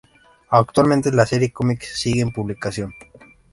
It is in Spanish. Actualmente la serie de cómics sigue en publicación.